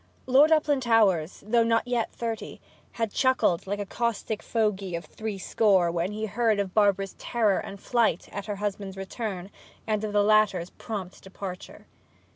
Lord Uplandtowers, though not yet thirty, had chuckled like a caustic fogey of threescore when he heard of Barbara's terror and flight at her husband's return, and of the latter's prompt departure.